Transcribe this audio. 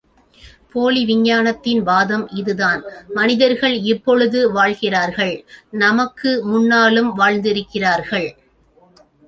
போலி விஞ்ஞானத்தின் வாதம் இதுதான் மனிதர்கள் இப்பொழுது வாழ்கிறார்கள் நமக்கு முன்னாலும் வாழ்ந்திருக்கிறார்கள்.